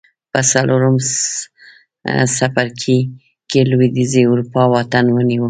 په څلورم څپرکي کې لوېدیځې اروپا واټن ونیو